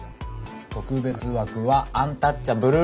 特別枠はアンタッチャブル！